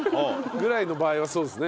「ぐらい」の場合はそうですね。